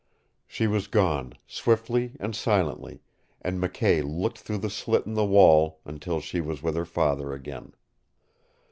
She was gone, swiftly and silently, and McKay looked through the slit in the wall until she was with her father again.